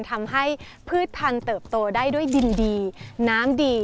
ทำให้พืชพันธุ์เติบโตได้ด้วยดินดีน้ำดี